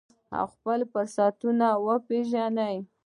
او خپل فرصتونه وپیژنو.